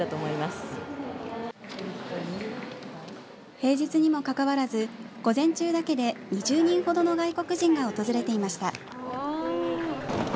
平日にもかかわらず午前中だけで２０人ほどの外国人が訪れていました。